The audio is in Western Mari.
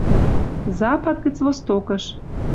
Запад гӹц Востокыш.